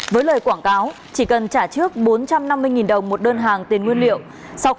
với lời quảng cáo chỉ cần trả trước bốn trăm năm mươi đồng một đơn hàng tiền nguyên liệu